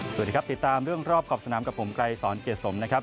สวัสดีครับติดตามเรื่องรอบขอบสนามกับผมไกรสอนเกียรติสมนะครับ